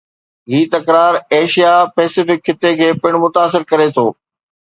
هي تڪرار ايشيا-پئسفڪ خطي کي پڻ متاثر ڪري ٿو